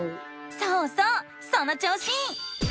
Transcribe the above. そうそうその調子！